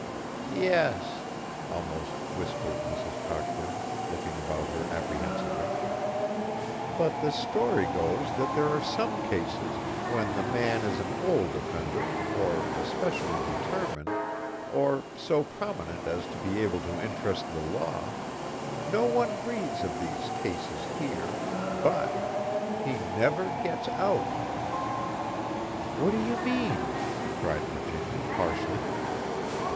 "Yes," almost whispered Mrs. Cockburn, looking about her apprehensively, "but the story goes that there are some cases when the man is an old offender, or especially determined, or so prominent as to be able to interest the law no one breathes of these cases here but he never gets out!" "What do you mean?" cried Virginia, harshly.